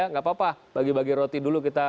tidak apa apa bagi bagi roti dulu